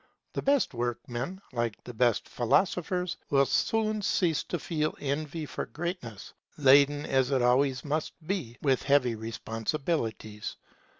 The best workmen, like the best philosophers, will soon cease to feel envy for greatness, laden, as it always must be, with heavy responsibilities.